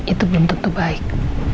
itu belum tentu baik